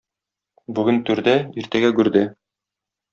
Бүген түрдә, иртәгә гүрдә.